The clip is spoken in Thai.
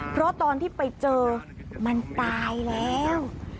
เพราะตอนที่ไปเจอมันตายแล้ว